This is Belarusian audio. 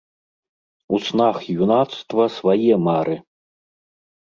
У снах юнацтва свае мары!